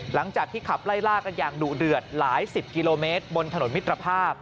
หลังจากที่ขับไล่ล่ากันอย่างดุเดือดหลายสิบกิโลเมตรบนถนนมิตรภาพ